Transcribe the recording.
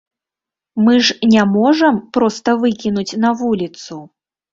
Мы ж не можам проста выкінуць на вуліцу.